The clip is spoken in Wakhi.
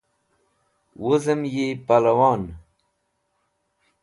Wuzem yi Palawon.